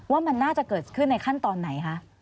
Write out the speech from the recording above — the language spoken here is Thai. ว่ามันน่าจะเกิดขึ้นในขั้นตอนไหนคะ